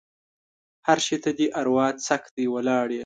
هر شي ته دې اروا څک دی؛ ولاړ يې.